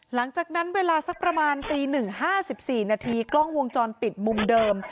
หลังจากนั้นเวลาสักประมาณตี๑๕๔นาทีกล้องวงจรปิดมุมเดิม